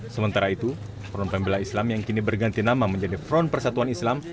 sementara itu front pembela islam yang kini berganti nama menjadi front persatuan islam